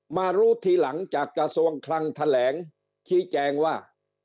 มารู้ทีหลังจากกระทรวงคลังแถลงชี้แจงว่า